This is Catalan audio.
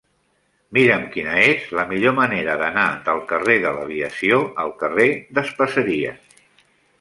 Mira'm quina és la millor manera d'anar del carrer de l'Aviació al carrer d'Espaseria.